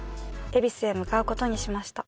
恵比寿へ向かう事にしました